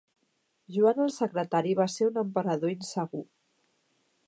Joan el Secretari va ser un emperador insegur.